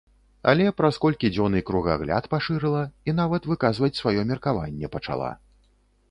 Але праз колькі дзён і кругагляд пашырыла, і нават выказваць сваё меркаванне пачала.